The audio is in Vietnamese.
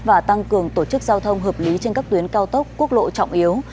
và tăng cường tổ chức giao thông hợp lý trên các tuyến cao tốc quốc lộ trọng yếu